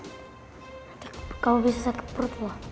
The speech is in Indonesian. nanti kamu bisa sakit perut wah